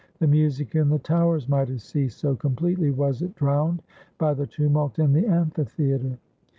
The music in the towers might have ceased, so completely was it drowned by the tvmiult in the amphitheater.